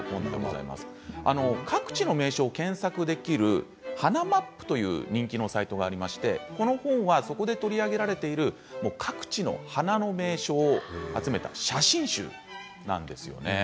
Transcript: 各地の名所を検索できるはなまっぷという人気のサイトがありましてこの本はそこで取り上げられている各地の花の名所を集めた写真集なんです。